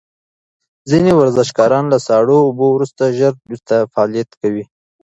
ځینې ورزشکاران له ساړه اوبو وروسته ژر بیرته فعالیت کوي.